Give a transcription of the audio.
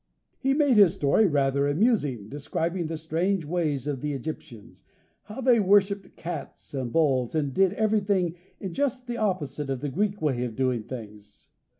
He made his story rather amusing, describing the strange ways of the Egyptians; how they worshipped cats and bulls, and did everything in just the opposite of the Greek way of doing things.